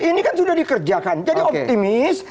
ini kan sudah dikerjakan jadi optimis